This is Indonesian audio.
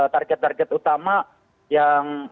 target target utama yang